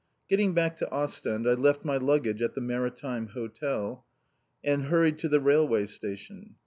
Getting back to Ostend, I left my luggage at the Maritime Hotel, and hurried to the railway station.